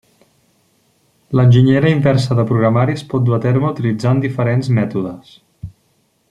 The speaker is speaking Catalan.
L'enginyera inversa de programari es pot dur a terme utilitzant diferents mètodes.